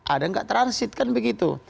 ada nggak transit kan begitu